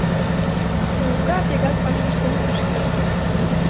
Лука вигак вашештен ыш керт.